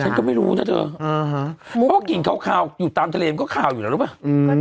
ฉันก็ไม่รู้นะเธอเพราะว่ากลิ่นคาวอยู่ตามทะเลมันก็คาวอยู่แล้วหรือเปล่า